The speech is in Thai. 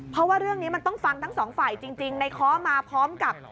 เพราะว่าเรื่องนี้มันต้องฟังทั้งสองฝ่ายจริงในค้อมาพร้อมกับ